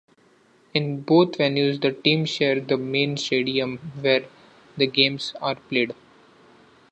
In both venues, the teams share the main stadium where the games are played.